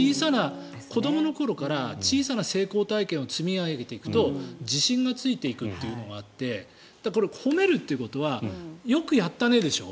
子どもの頃から小さな成功体験を積み上げていくと自信がついていくというのがあってこれ、褒めるということはよくやったねでしょ。